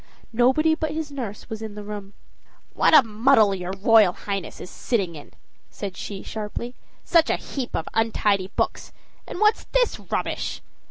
Nobody but his nurse was in the room. "What a muddle your Royal Highness is sitting in," said she sharply. "Such a heap of untidy books; and what's this rubbish?"